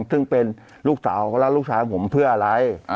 ซึ่งเป็นลูกสาวเขาแล้วลูกชายของผมเพื่ออะไร